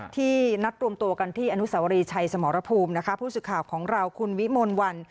ที่นัดรวมตัวกันที่อนุสวรีชัยสมรภูมินะคะผู้สื่อข่าวของเราคุณวิมลวัน